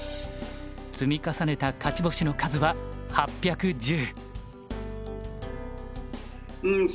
積み重ねた勝ち星の数は８１０。